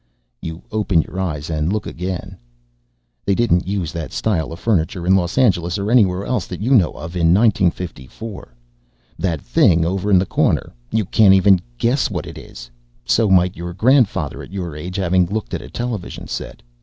_ You open your eyes and look again. They didn't use that style of furniture in Los Angeles or anywhere else that you know of in 1954. That thing over in the corner you can't even guess what it is. So might your grandfather, at your age, have looked at a television set.